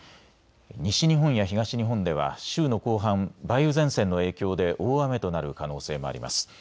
西日本や東日本では週の後半、梅雨前線の影響で大雨となる可能性もあります。